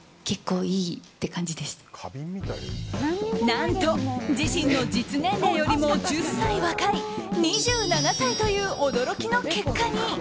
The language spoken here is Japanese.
何と自身の実年齢よりも１０歳若い２７歳という驚きの結果に。